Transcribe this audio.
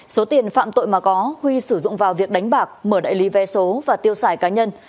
số tiền phạm tội mà có huy sử dụng vào việc đánh bạc mở đại lý vé số và tiêu xài cá nhân